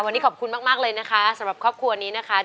วันนี้ขอบคุณมากเลยนะคะสำหรับครอบครัวนี้นะคะ